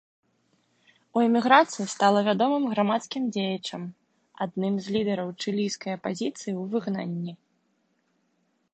У эміграцыі стала вядомым грамадскім дзеячам, адным з лідараў чылійскай апазіцыі ў выгнанні.